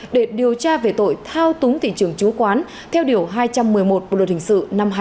để điều tra về tội thao túng thị trường chú quán theo điều hai trăm một mươi một bộ luật hình sự năm hai nghìn một mươi năm